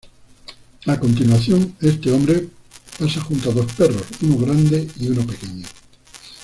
A continuación, este hombre pasa junto a dos perros, uno grande y uno pequeño.